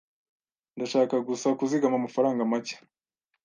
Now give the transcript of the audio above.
Ndashaka gusa kuzigama amafaranga make.